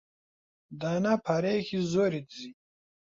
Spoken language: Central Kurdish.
دانا پارەیەکی زۆری دزی.